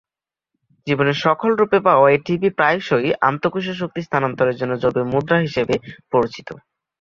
জীবনে সকল রূপে পাওয়া এটিপি প্রায়শই অন্তঃকোষীয় শক্তি স্থানান্তরের জন্য জৈব মুদ্রা হিসাবে পরিচিত।